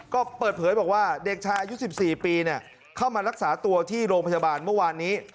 ก็เปิดเผยบอกว่าเด็กชายอายุ๑๔ปีเข้ามารักษาตัวที่โรงพยาบาลเมื่อวานนี้